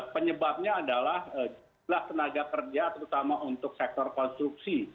penyebabnya adalah jumlah tenaga kerja terutama untuk sektor konstruksi